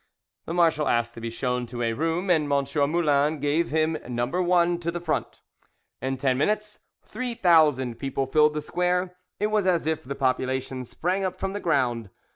The marshal asked to be shown to a room, and M. Moulin gave him No. 1, to the front. In ten minutes three thousand people filled the square; it was as if the population sprang up from the ground.